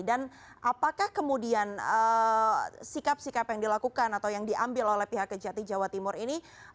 dan apakah kemudian sikap sikap yang dilakukan atau yang diambil oleh pihak kejati jawa timur ini